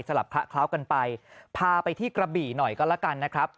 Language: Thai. คละเคล้ากันไปพาไปที่กระบี่หน่อยก็แล้วกันนะครับ